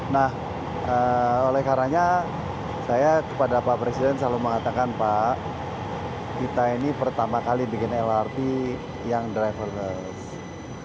nah oleh karanya saya kepada pak presiden selalu mengatakan pak kita ini pertama kali bikin lrt yang drivers